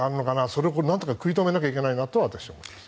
それをなんとか食い止めなきゃいけないなと私は思います。